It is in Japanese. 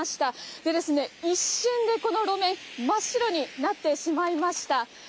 でですね、一瞬でこの路面、真っ白になってしまいました。